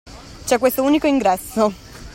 C'è questo unico ingresso.